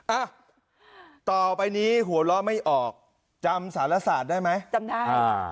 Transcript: อ่ะต่อไปนี้หัวเราะไม่ออกจำสารศาสตร์ได้ไหมจำได้อ่า